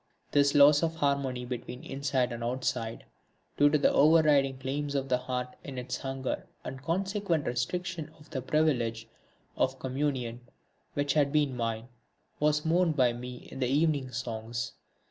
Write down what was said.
This loss of the harmony between inside and outside, due to the over riding claims of the heart in its hunger, and consequent restriction of the privilege of communion which had been mine, was mourned by me in the Evening Songs.